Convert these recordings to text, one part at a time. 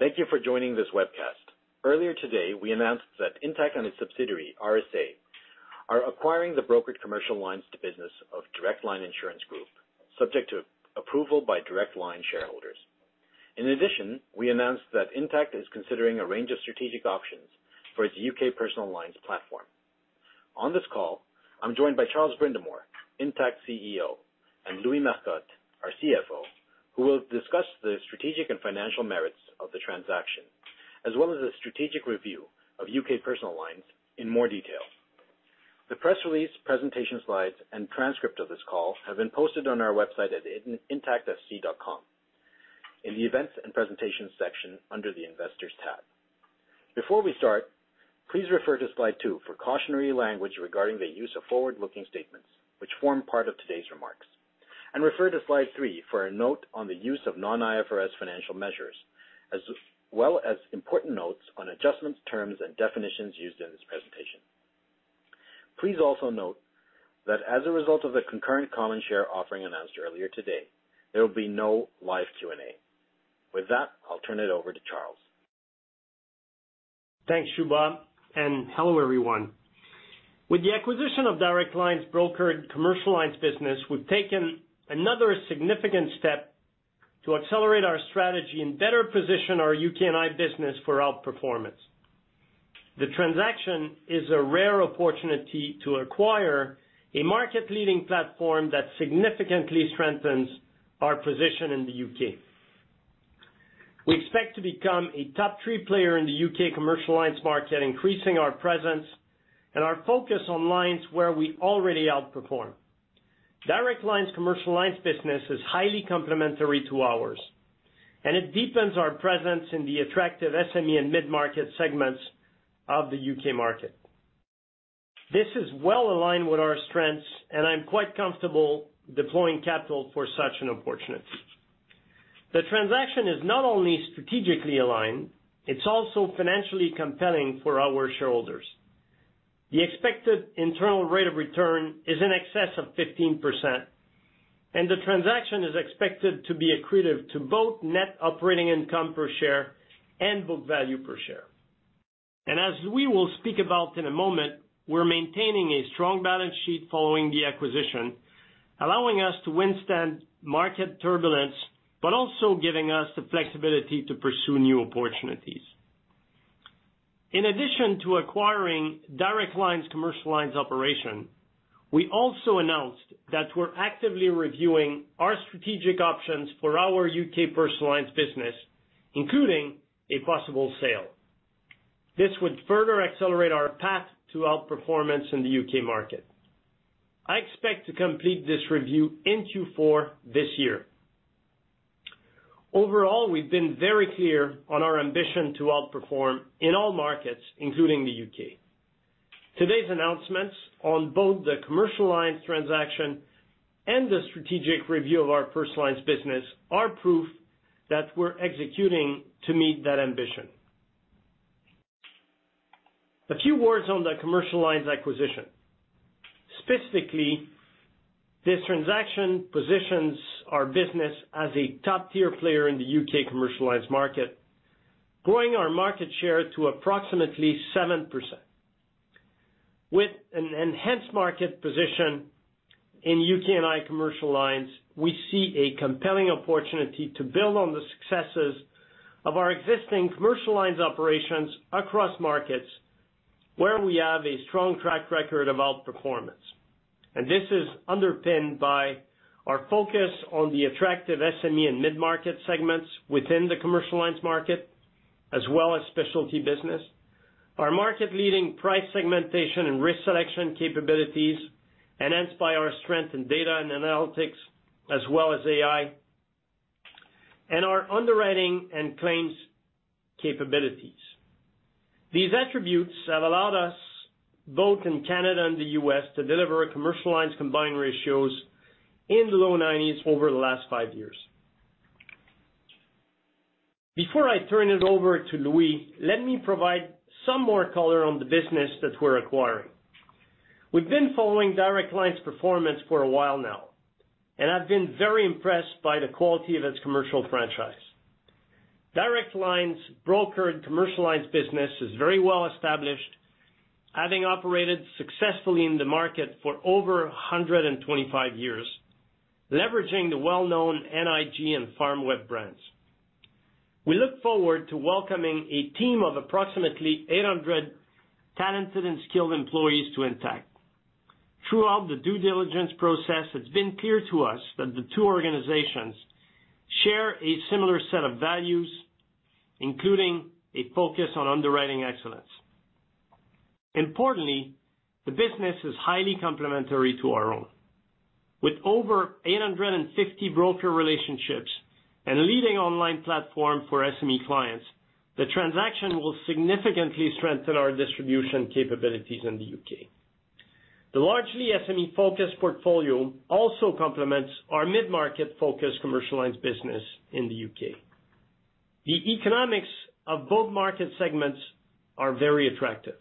Thank you for joining this webcast. Earlier today, we announced that Intact and its subsidiary, RSA, are acquiring the brokered commercial lines business of Direct Line Insurance Group, subject to approval by Direct Line shareholders. In addition, we announced that Intact is considering a range of strategic options for its U.K. personal lines platform. On this call, I'm joined by Charles Brindamour, Intact CEO, and Louis Marcotte, our CFO, who will discuss the strategic and financial merits of the transaction, as well as the strategic review of U.K. personal lines in more detail. The press release, presentation slides, and transcript of this call have been posted on our website at www.intactfc.com in the Events and Presentations section under the Investors tab. Before we start, please refer to slide 2 for cautionary language regarding the use of forward-looking statements, which form part of today's remarks, and refer to slide three for a note on the use of non-IFRS financial measures, as well as important notes on adjustments, terms, and definitions used in this presentation. Please also note that as a result of the concurrent common share offering announced earlier today, there will be no live Q&A. With that, I'll turn it over to Charles. Thanks, Shubha, and hello, everyone. With the acquisition of Direct Line's brokered commercial lines business, we've taken another significant step to accelerate our strategy and better position our U.K. and I business for outperformance. The transaction is a rare opportunity to acquire a market-leading platform that significantly strengthens our position in the U.K. We expect to become a top three player in the U.K. commercial lines market, increasing our presence and our focus on lines where we already outperform. Direct Line's commercial lines business is highly complementary to ours, and it deepens our presence in the attractive SME and mid-market segments of the U.K. market. This is well aligned with our strengths, and I'm quite comfortable deploying capital for such an opportunity. The transaction is not only strategically aligned, it's also financially compelling for our shareholders. The expected internal rate of return is in excess of 15%, and the transaction is expected to be accretive to both net operating income per share and book value per share. As we will speak about in a moment, we're maintaining a strong balance sheet following the acquisition, allowing us to withstand market turbulence, but also giving us the flexibility to pursue new opportunities. In addition to acquiring Direct Line's commercial lines operation, we also announced that we're actively reviewing our strategic options for our U.K. personal lines business, including a possible sale. This would further accelerate our path to outperformance in the U.K. market. I expect to complete this review in Q4 this year. Overall, we've been very clear on our ambition to outperform in all markets, including the U.K. Today's announcements on both the commercial lines transaction and the strategic review of our personal lines business are proof that we're executing to meet that ambition. A few words on the commercial lines acquisition. Specifically, this transaction positions our business as a top-tier player in the U.K. commercial market, growing our market share to approximately 7%. With an enhanced market position in U.K. and I commercial lines, we see a compelling opportunity to build on the successes of our existing commercial lines operations across markets where we have a strong track record of outperformance. This is underpinned by our focus on the attractive SME and mid-market segments within the commercial lines market, as well as specialty business, our market-leading price segmentation and risk selection capabilities, enhanced by our strength in data and analytics, as well as AI, and our underwriting and claims capabilities. These attributes have allowed us, both in Canada and the U.S., to deliver commercial lines combined ratios in the low 90s over the last five years. Before I turn it over to Louis, let me provide some more color on the business that we're acquiring. We've been following Direct Line's performance for a while now, and I've been very impressed by the quality of its commercial franchise. Direct Line's brokered commercial lines business is very well established, having operated successfully in the market for over 125 years, leveraging the well-known NIG and FarmWeb brands. We look forward to welcoming a team of approximately 800 talented and skilled employees to Intact. Throughout the due diligence process, it's been clear to us that the two organizations share a similar set of values, including a focus on underwriting excellence. Importantly, the business is highly complementary to our own. With over 850 broker relationships and a leading online platform for SME clients, the transaction will significantly strengthen our distribution capabilities in the U.K. The largely SME-focused portfolio also complements our mid-market-focused commercial lines business in the U.K. The economics of both market segments are very attractive....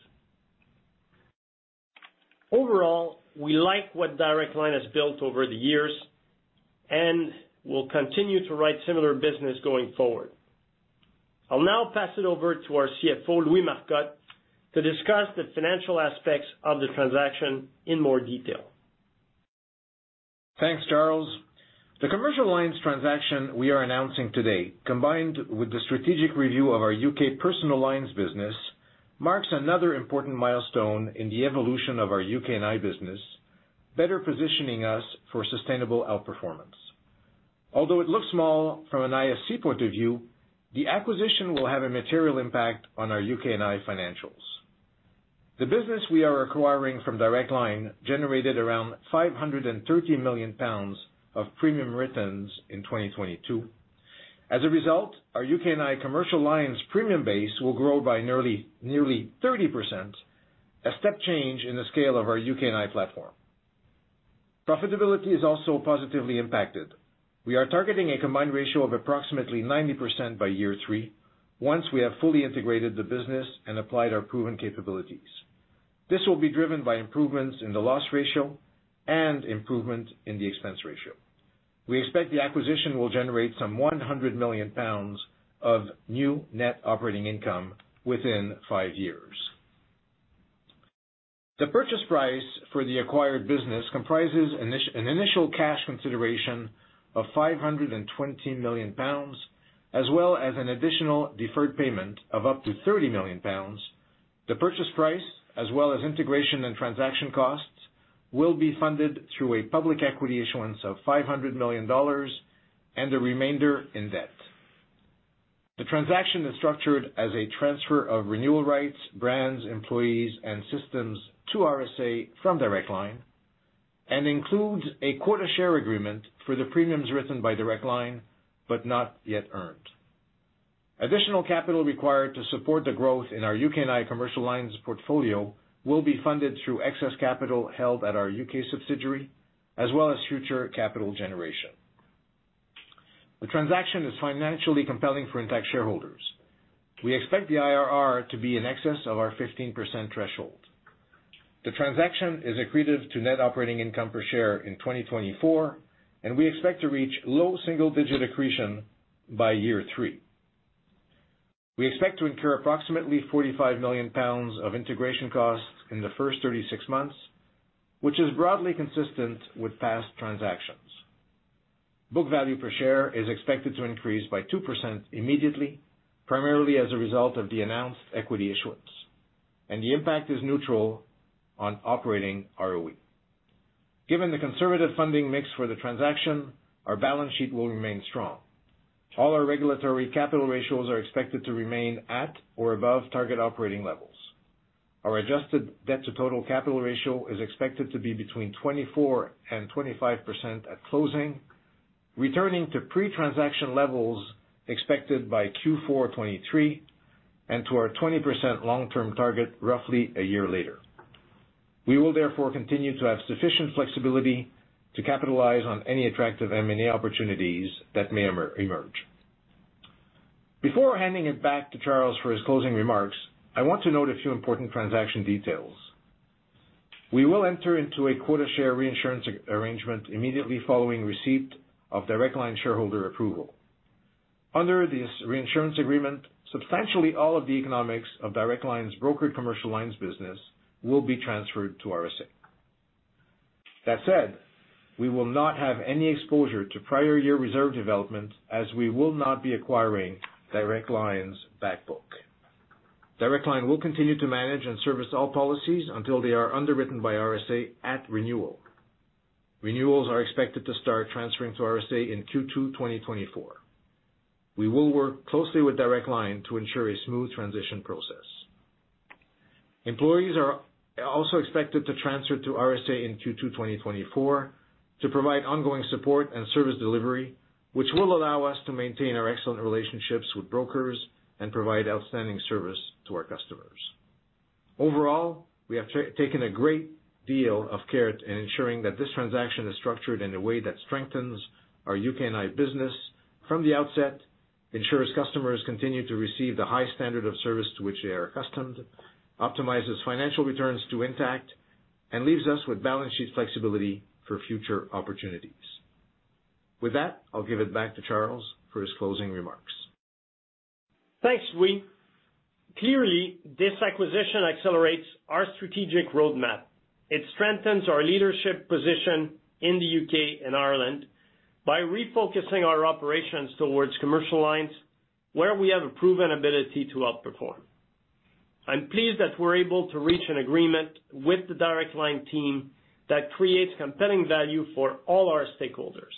Overall, we like what Direct Line has built over the years, and we'll continue to write similar business going forward. I'll now pass it over to our CFO, Louis Marcotte, to discuss the financial aspects of the transaction in more detail. Thanks, Charles. The commercial lines transaction we are announcing today, combined with the strategic review of our UK personal lines business, marks another important milestone in the evolution of our U.K. and I business, better positioning us for sustainable outperformance. Although it looks small from an IFC point of view, the acquisition will have a material impact on our U.K. and I financials. The business we are acquiring from Direct Line generated around 530 million pounds of premiums written in 2022. As a result, our UK and I commercial lines premium base will grow by nearly, nearly 30%, a step change in the scale of our U.K. and I platform. Profitability is also positively impacted. We are targeting a combined ratio of approximately 90% by year three, once we have fully integrated the business and applied our proven capabilities. This will be driven by improvements in the loss ratio and improvement in the expense ratio. We expect the acquisition will generate some 100 million pounds of new net operating income within five years. The purchase price for the acquired business comprises an initial cash consideration of 520 million pounds, as well as an additional deferred payment of up to 30 million pounds. The purchase price, as well as integration and transaction costs, will be funded through a public equity issuance of 500 million dollars and the remainder in debt. The transaction is structured as a transfer of renewal rights, brands, employees, and systems to RSA from Direct Line, and includes a quota share agreement for the premiums written by Direct Line, but not yet earned. Additional capital required to support the growth in our U.K. and I commercial lines portfolio will be funded through excess capital held at our UK subsidiary, as well as future capital generation. The transaction is financially compelling for Intact shareholders. We expect the IRR to be in excess of our 15% threshold. The transaction is accretive to net operating income per share in 2024, and we expect to reach low single-digit accretion by year three. We expect to incur approximately 45 million pounds of integration costs in the first 36 months, which is broadly consistent with past transactions. Book value per share is expected to increase by 2% immediately, primarily as a result of the announced equity issuance, and the impact is neutral on operating ROE. Given the conservative funding mix for the transaction, our balance sheet will remain strong. All our regulatory capital ratios are expected to remain at or above target operating levels. Our adjusted debt to total capital ratio is expected to be between 24% and 25% at closing, returning to pre-transaction levels expected by Q4 2023, and to our 20% long-term target roughly a year later. We will therefore continue to have sufficient flexibility to capitalize on any attractive M&A opportunities that may emerge. Before handing it back to Charles for his closing remarks, I want to note a few important transaction details. We will enter into a quota share reinsurance arrangement immediately following receipt of Direct Line shareholder approval. Under this reinsurance agreement, substantially all of the economics of Direct Line's brokered commercial lines business will be transferred to RSA. That said, we will not have any exposure to prior year reserve development, as we will not be acquiring Direct Line's back book. Direct Line will continue to manage and service all policies until they are underwritten by RSA at renewal. Renewals are expected to start transferring to RSA in Q2 2024. We will work closely with Direct Line to ensure a smooth transition process. Employees are also expected to transfer to RSA in Q2 2024 to provide ongoing support and service delivery, which will allow us to maintain our excellent relationships with brokers and provide outstanding service to our customers. Overall, we have taken a great deal of care in ensuring that this transaction is structured in a way that strengthens our U.K. and I business from the outset, ensures customers continue to receive the high standard of service to which they are accustomed, optimizes financial returns to Intact, and leaves us with balance sheet flexibility for future opportunities. With that, I'll give it back to Charles for his closing remarks. Thanks, Louis. Clearly, this acquisition accelerates our strategic roadmap. It strengthens our leadership position in the U.K. and Ireland by refocusing our operations towards commercial lines, where we have a proven ability to outperform. I'm pleased that we're able to reach an agreement with the Direct Line team that creates compelling value for all our stakeholders.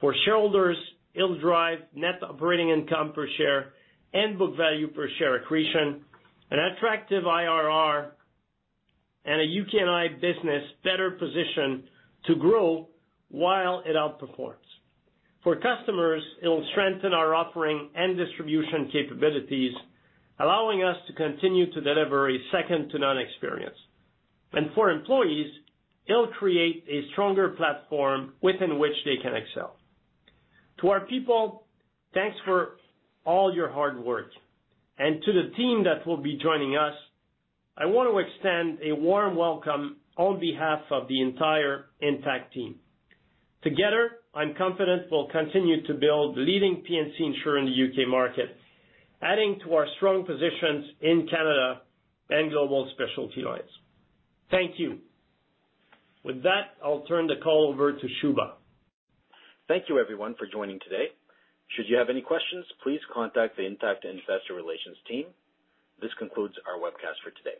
For shareholders, it'll drive net operating income per share and book value per share accretion, an attractive IRR, and a U.K. and I business better positioned to grow while it outperforms. For customers, it'll strengthen our offering and distribution capabilities, allowing us to continue to deliver a second-to-none experience. And for employees, it'll create a stronger platform within which they can excel. To our people, thanks for all your hard work. And to the team that will be joining us, I want to extend a warm welcome on behalf of the entire Intact team. Together, I'm confident we'll continue to build the leading P&C insurer in the UK market, adding to our strong positions in Canada and global specialty lines. Thank you. With that, I'll turn the call over to Shubha. Thank you, everyone, for joining today. Should you have any questions, please contact the Intact Investor Relations team. This concludes our webcast for today.